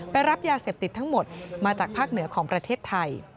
รับยาเสพติดทั้งหมดมาจากภาคเหนือของประเทศไทย